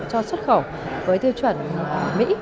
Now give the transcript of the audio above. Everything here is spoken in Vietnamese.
cho xuất khẩu với tiêu chuẩn mỹ